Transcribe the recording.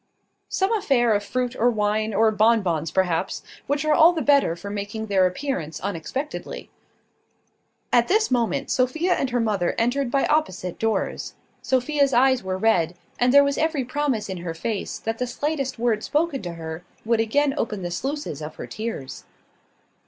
"Some affair of fruit, or wine, or bonbons, perhaps, which are all the better for making their appearance unexpectedly." At this moment Sophia and her mother entered by opposite doors. Sophia's eyes were red; and there was every promise in her face that the slightest word spoken to her would again open the sluices of her tears.